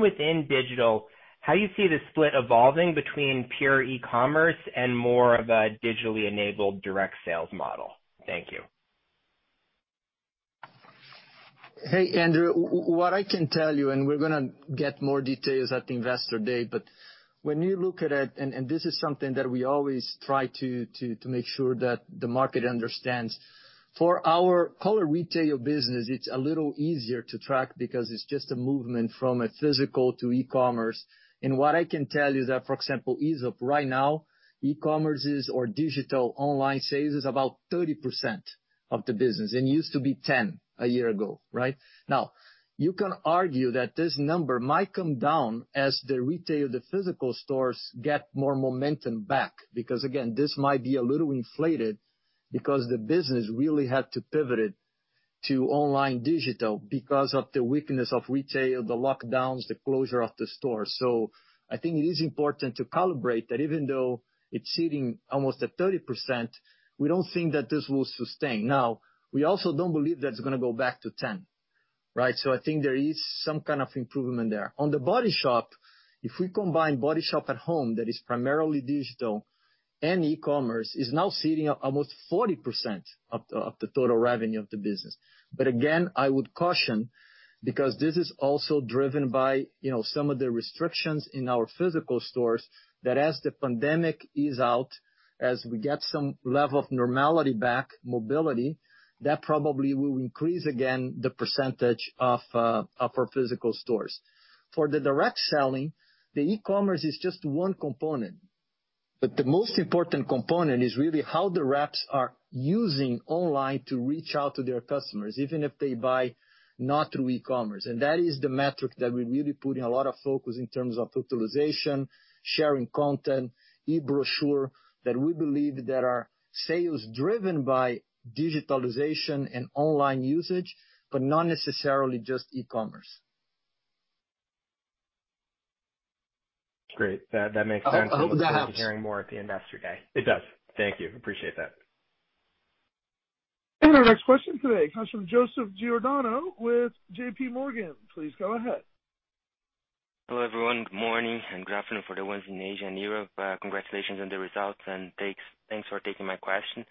J: Within digital, how you see the split evolving between pure e-commerce and more of a digitally enabled direct sales model. Thank you.
C: Hey, Andrew, what I can tell you, and we're going to get more details at the investor day, but when you look at it, and this is something that we always try to make sure that the market understands. For our core retail business, it's a little easier to track because it's just a movement from a physical to e-commerce. What I can tell you that, for example, Aesop, right now, e-commerce is, or digital online sales is about 30% of the business, and it used to be 10% a year ago. Right? Now, you can argue that this number might come down as the retail, the physical stores get more momentum back, because again, this might be a little inflated because the business really had to pivot to online digital because of the weakness of retail, the lockdowns, the closure of the store. I think it is important to calibrate that even though it's sitting almost at 30%, we don't think that this will sustain. We also don't believe that it's going to go back to 10%. Right? I think there is some kind of improvement there. On The Body Shop, if we combine The Body Shop At Home, that is primarily digital and e-commerce, is now sitting at almost 40% of the total revenue of the business. Again, I would caution, because this is also driven by some of the restrictions in our physical stores, that as the pandemic ease out, as we get some level of normality back, mobility, that probably will increase again the percentage of our physical stores. For the direct selling, the e-commerce is just one component, but the most important component is really how the reps are using online to reach out to their customers, even if they buy not through e-commerce. That is the metric that we're really putting a lot of focus in terms of utilization, sharing content, e-brochure, that we believe that our sales driven by digitalization and online usage, but not necessarily just e-commerce.
J: Great. That makes sense.
C: I hope that helps.
J: We'll be hearing more at the investor day. It does. Thank you. Appreciate that.
A: Our next question today comes from Joseph Giordano with J.P. Morgan. Please go ahead.
K: Hello, everyone. Good morning, and good afternoon for the ones in Asia and Europe. Congratulations on the results and thanks for taking my question.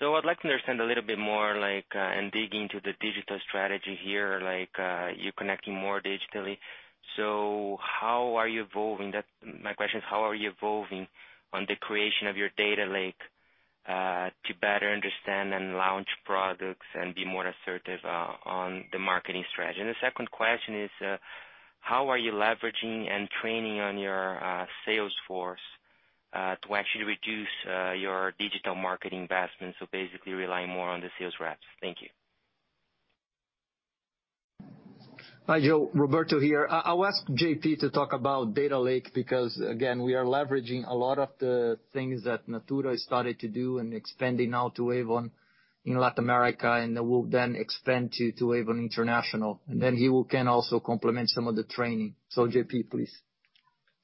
K: I'd like to understand a little bit more and dig into the digital strategy here, like, you connecting more digitally. How are you evolving? My question is, how are you evolving on the creation of your data lake, to better understand and launch products and be more assertive, on the marketing strategy? The second question is, how are you leveraging and training on your sales force to actually reduce your digital marketing investments, so basically relying more on the sales reps? Thank you.
C: Hi, Joe. Roberto here. I'll ask J.P. to talk about data lake, because again, we are leveraging a lot of the things that Natura started to do and expanding now to Avon in Latin America, and we'll then expand to Avon International. Then he can also complement some of the training. J.P., please.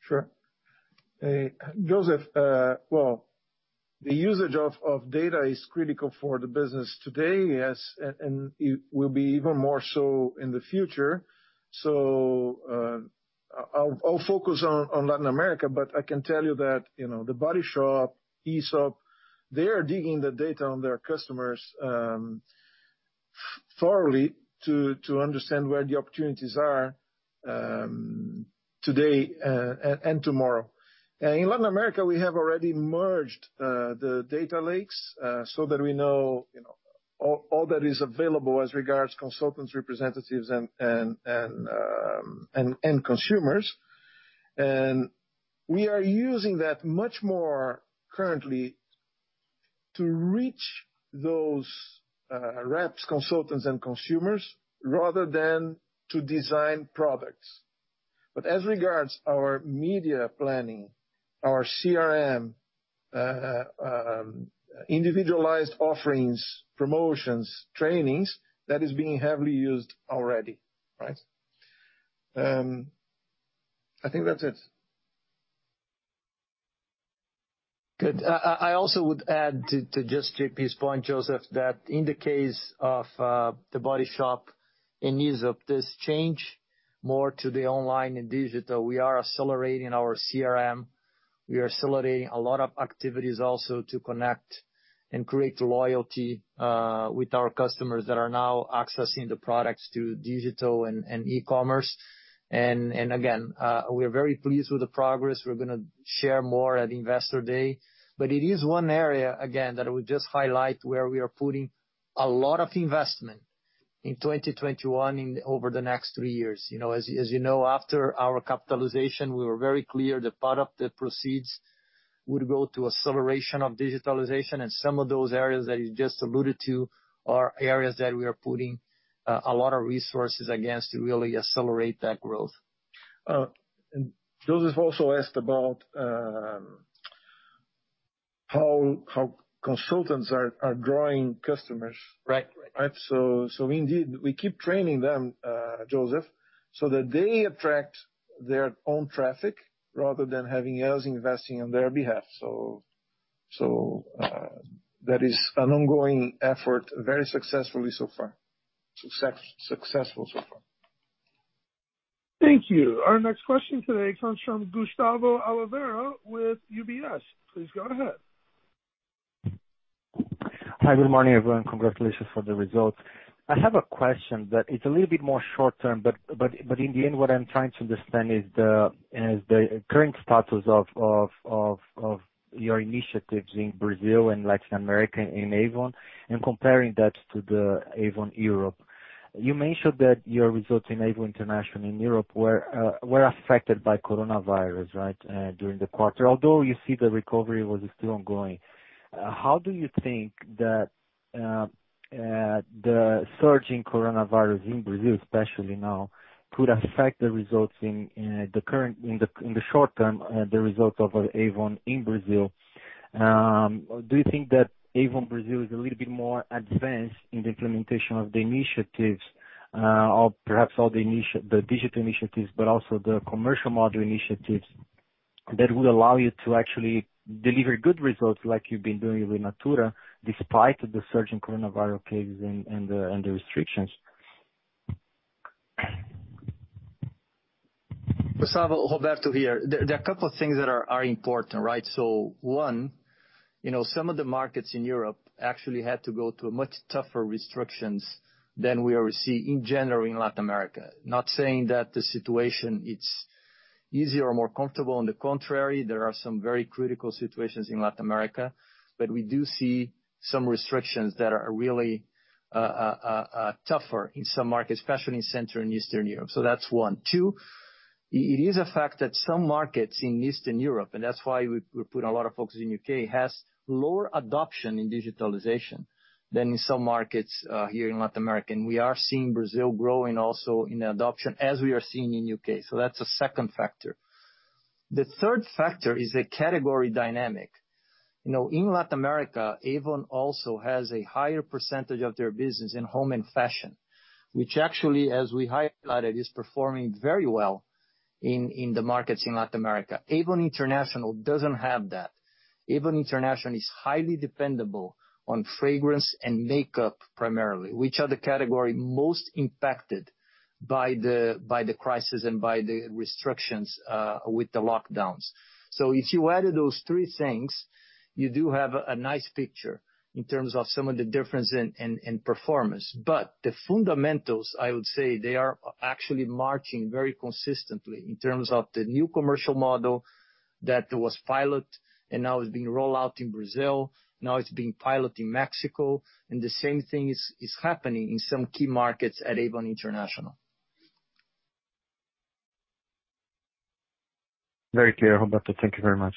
F: Sure. Joseph, well, the usage of data is critical for the business today. Yes, and it will be even more so in the future. I'll focus on Latin America, but I can tell you that The Body Shop, Aesop, they are digging the data on their customers thoroughly to understand where the opportunities are today and tomorrow. In Latin America, we have already merged the data lakes, so that we know all that is available as regards consultants, representatives, and consumers. We are using that much more currently to reach those reps, consultants, and consumers rather than to design products. As regards our media planning, our CRM, individualized offerings, promotions, trainings, that is being heavily used already. Right? I think that's it.
C: Good. I also would add to just J.P.'s point, Joseph, that in the case of The Body Shop and Aesop, this change more to the online and digital, we are accelerating our CRM. We are accelerating a lot of activities also to connect and create loyalty with our customers that are now accessing the products through digital and e-commerce. Again, we are very pleased with the progress. We're going to share more at Investor Day. It is one area, again, that I would just highlight where we are putting a lot of investment in 2021 and over the next three years. You know, after our capitalization, we were very clear the part of the proceeds would go to acceleration of digitalization and some of those areas that you just alluded to are areas that we are putting a lot of resources, again, to really accelerate that growth.
F: Joseph also asked about how consultants are drawing customers.
C: Right.
F: Right. Indeed, we keep training them, Joseph, so that they attract their own traffic rather than having us investing on their behalf. That is an ongoing effort, very successful so far.
A: Thank you. Our next question today comes from Gustavo Oliveira with UBS. Please go ahead.
L: Hi, good morning, everyone. Congratulations for the results. I have a question that is a little bit more short-term, but in the end, what I'm trying to understand is the current status of your initiatives in Brazil and Latin America in Avon, and comparing that to the Avon Europe. You mentioned that your results in Avon International in Europe were affected by coronavirus, right, during the quarter, although you see the recovery was still ongoing. How do you think that the surging coronavirus in Brazil, especially now, could affect the results in the short term, the results of Avon in Brazil? Do you think that Avon Brazil is a little bit more advanced in the implementation of the initiatives, or perhaps all the digital initiatives, but also the commercial model initiatives that will allow you to actually deliver good results like you've been doing with Natura, despite the surge in coronavirus cases and the restrictions?
C: Gustavo, Roberto here. There are a couple of things that are important, right? One, some of the markets in Europe actually had to go to much tougher restrictions than we are seeing in general in Latin America. Not saying that the situation it's easier or more comfortable. On the contrary, there are some very critical situations in Latin America. We do see some restrictions that are really tougher in some markets, especially in Central and Eastern Europe. That's one. Two, it is a fact that some markets in Eastern Europe, and that's why we put a lot of focus in U.K., has lower adoption in digitalization than in some markets here in Latin America. We are seeing Brazil growing also in adoption, as we are seeing in U.K. That's a second factor. The third factor is the category dynamic. In Latin America, Avon also has a higher percentage of their business in home and fashion, which actually, as we highlighted, is performing very well in the markets in Latin America. Avon International doesn't have that. Avon International is highly dependable on fragrance and makeup primarily, which are the category most impacted by the crisis and by the restrictions with the lockdowns. If you added those three things, you do have a nice picture in terms of some of the difference in performance. The fundamentals, I would say, they are actually marching very consistently in terms of the new commercial model that was pilot, and now is being rolled out in Brazil, now it's being pilot in Mexico, and the same thing is happening in some key markets at Avon International.
L: Very clear, Roberto. Thank you very much.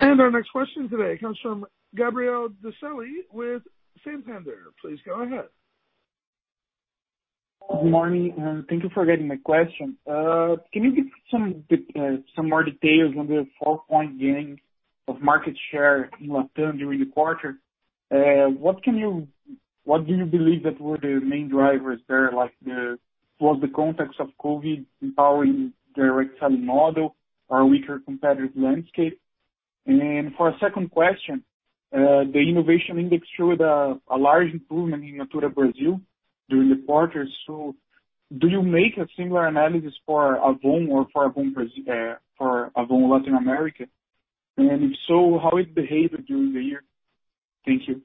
A: Our next question today comes from Gabriel Disselli with Santander. Please go ahead.
M: Good morning. Thank you for taking my question. Can you give some more details on the four-point gain of market share in LatAm during the quarter? What do you believe that were the main drivers there? Was the context of COVID empowering direct selling model or weaker competitive landscape? For a second question, the innovation index showed a large improvement in Natura Brazil during the quarter. Do you make a similar analysis for Avon or for Avon Latin America? If so, how it behaved during the year? Thank you.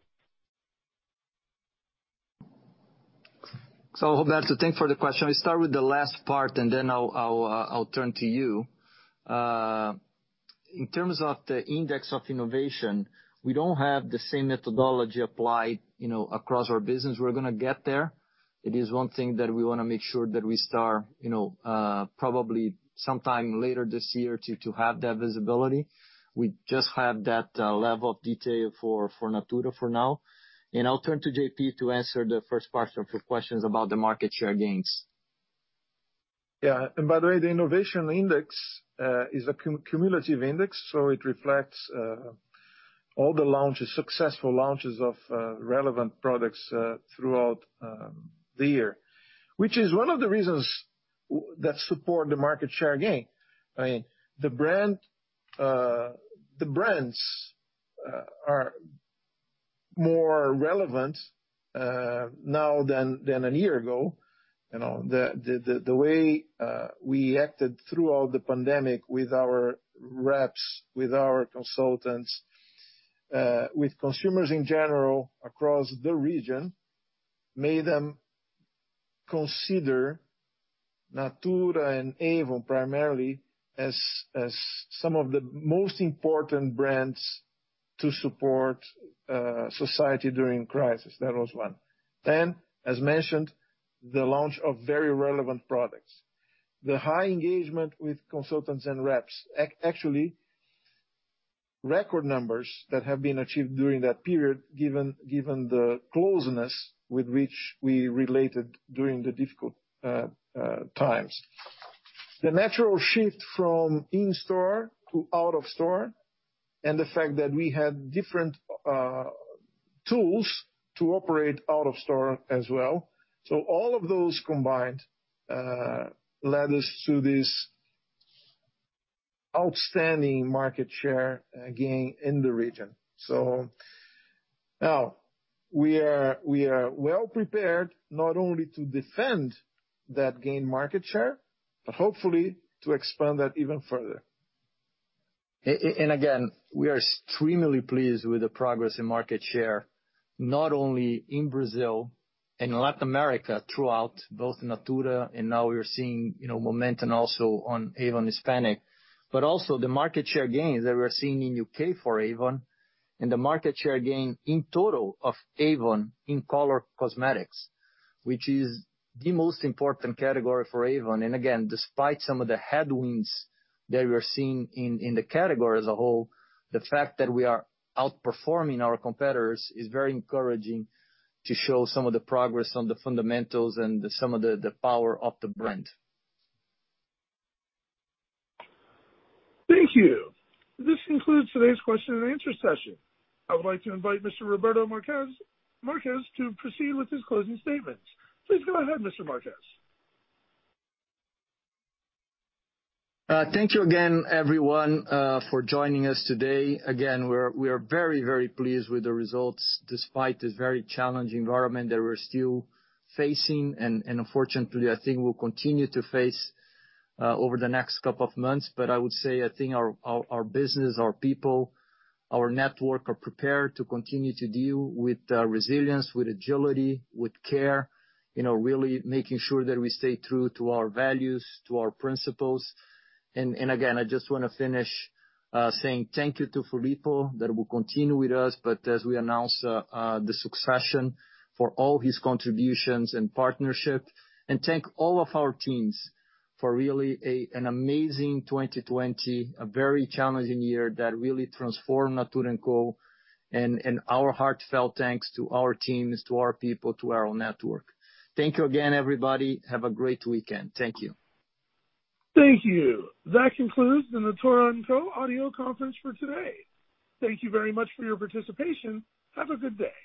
C: Gabriel, thank you for the question. I'll start with the last part and then I'll turn to you. In terms of the index of innovation, we don't have the same methodology applied across our business. We're going to get there. It is one thing that we want to make sure that we start probably sometime later this year to have that visibility. We just have that level of detail for Natura for now. I'll turn to J.P. to answer the first part of your questions about the market share gains.
F: Yeah. By the way, the innovation index is a cumulative index, so it reflects all the successful launches of relevant products throughout the year, which is one of the reasons that support the market share gain. The brands are more relevant now than an year ago. The way we acted throughout the pandemic with our reps, with our consultants, with consumers in general across the region, made them consider Natura and Avon primarily as some of the most important brands to support society during crisis. That was one. As mentioned, the launch of very relevant products. The high engagement with consultants and reps, actually, record numbers that have been achieved during that period, given the closeness with which we related during the difficult times. The natural shift from in-store to out-of-store, and the fact that we had different tools to operate out-of-store as well. All of those combined led us to this outstanding market share gain in the region. Now we are well prepared not only to defend that gained market share, but hopefully to expand that even further.
C: Again, we are extremely pleased with the progress in market share, not only in Brazil and Latin America throughout both Natura and now we are seeing momentum also on Avon Hispanic, but also the market share gains that we're seeing in the U.K. for Avon and the market share gain in total of Avon in color cosmetics, which is the most important category for Avon. Again, despite some of the headwinds that we're seeing in the category as a whole, the fact that we are outperforming our competitors is very encouraging to show some of the progress on the fundamentals and some of the power of the brand.
A: Thank you. This concludes today's question and answer session. I would like to invite Mr. Roberto Marques to proceed with his closing statements. Please go ahead, Mr. Marques.
C: Thank you again, everyone, for joining us today. Again, we are very pleased with the results despite this very challenging environment that we're still facing, and unfortunately, I think we'll continue to face over the next couple of months. I would say, I think our business, our people, our network are prepared to continue to deal with resilience, with agility, with care, really making sure that we stay true to our values, to our principles. Again, I just want to finish saying thank you to Filippo that will continue with us, but as we announce the succession for all his contributions and partnership. Thank all of our teams for really an amazing 2020, a very challenging year that really transformed Natura &Co. Our heartfelt thanks to our teams, to our people, to our network. Thank you again, everybody. Have a great weekend. Thank you.
A: Thank you. That concludes the Natura & Co. audio conference for today. Thank you very much for your participation. Have a good day.